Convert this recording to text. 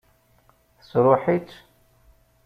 Tesṛuḥ-itt?